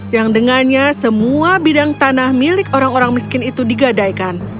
yang dengannya semua bidang tanah milik orang orang miskin itu digadaikan